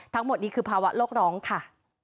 ทั้งหมดนี้คือภาวะโลกร้องค่ะ